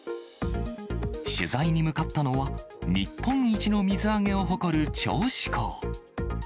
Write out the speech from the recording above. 取材に向かったのは、日本一の水揚げを誇る銚子港。